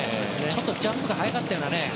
ちょっとジャンプが早かったような。